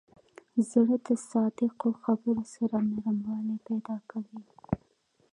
زړه د صادقو خبرو سره نرموالی پیدا کوي.